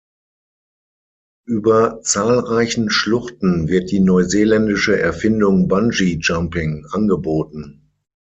Über zahlreichen Schluchten wird die neuseeländische Erfindung Bungee-Jumping angeboten.